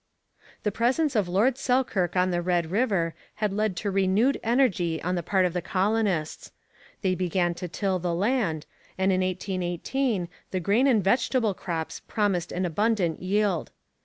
The presence of Lord Selkirk on the Red River had led to renewed energy on the part of the colonists. They began to till the land, and in 1818 the grain and vegetable crops promised an abundant yield.